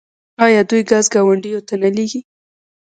آیا دوی ګاز ګاونډیو ته نه لیږي؟